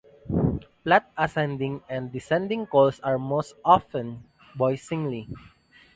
Flat, ascending, and descending calls are most often voiced singly.